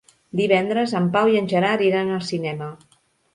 Divendres en Pau i en Gerard iran al cinema.